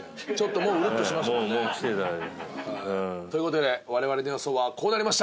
もうしてた。という事で我々の予想はこうなりました。